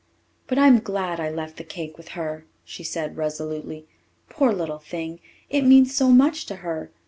"But I'm glad I left the cake with her," she said resolutely. "Poor little thing! It means so much to her.